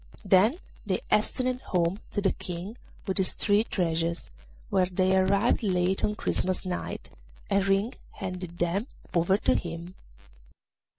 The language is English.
Then they hastened home to the King with his three treasures, where they arrived late on Christmas night, and Ring handed them over to him.